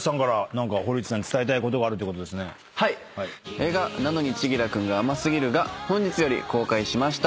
映画『なのに、千輝くんが甘すぎる。』が本日より公開しました。